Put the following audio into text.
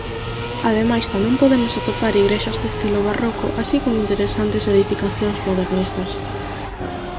Ademais tamén podemos atopar igrexas de estilo barroco así como interesantes edificacións modernistas.